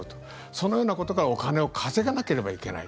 そのようなことからお金を稼がなければいけない